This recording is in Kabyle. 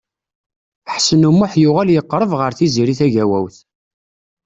Ḥsen U Muḥ yuɣal yeqreb ɣer Tiziri Tagawawt.